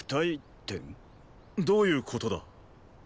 どういうことだ。